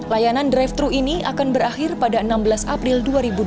layanan drive thru ini akan berakhir pada enam belas april dua ribu dua puluh tiga